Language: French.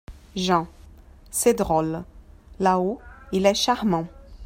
Jean. — C’est drôle ! là-haut il est charmant.